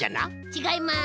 ちがいます。